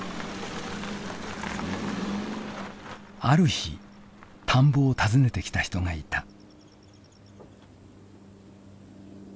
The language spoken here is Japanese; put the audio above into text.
ある日田んぼを訪ねてきた人がいた。